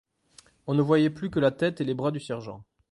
On ne voyait plus que la tête et les bras du sergent.